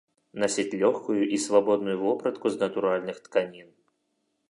Насіць лёгкую і свабодную вопратку з натуральных тканін.